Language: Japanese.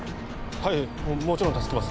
はいもちろん助けます